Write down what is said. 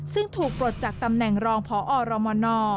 ซึ่งถูกปลดจากตำแหน่งรองพอรมน